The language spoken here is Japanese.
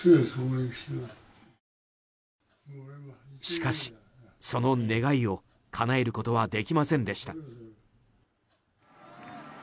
しかし、その願いをかなえることはできませんでした。